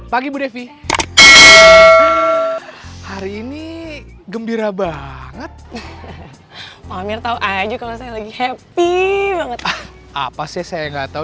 pagi bu devi hari ini gembira banget pamer tahu aja kalau saya lagi happy banget apa sih saya nggak tahu